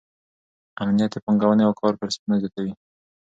امنیت د پانګونې او کار فرصتونه زیاتوي.